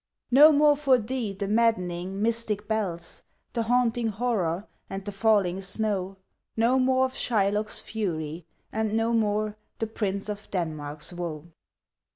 No more for thee the maddening, mystic bells, The haunting horror and the falling snow; No more of Shylock's fury, and no more The Prince of Denmark's woe.